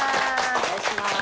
お願いします！